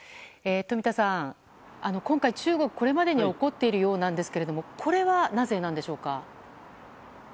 富田さん、今回、中国はこれまでになく怒っているようなんですけどもこれはなぜなんでしょうか。